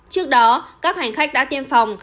trước đó các hành khách đã tiêm phòng